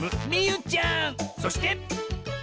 そして！